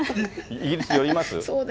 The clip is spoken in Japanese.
イギリスに寄ります？